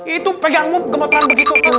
itu pegangmu gemetaran begitu kan